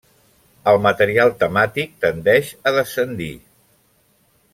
El material temàtic tendeix a descendir.